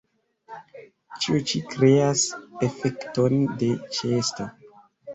Ĉio ĉi kreas efekton de ĉeesto.